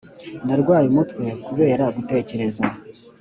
narwaye umutwe kubera gutekereza